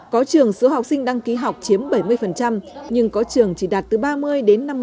có trường số học sinh đăng ký học chiếm bảy mươi nhưng có trường chỉ đạt từ ba mươi đến năm mươi